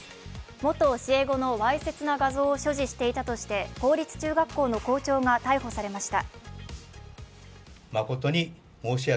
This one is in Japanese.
元教え子のわいせつな画像を所持していたとして公立中学校の校長が逮捕されました。